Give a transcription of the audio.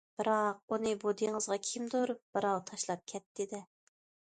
بىراق، ئۇنى بۇ دېڭىزغا كىمدۇر بىراۋ تاشلاپ كەتتى- دە؟!